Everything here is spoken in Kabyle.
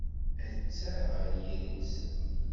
Atta ɣer yiri-nsen.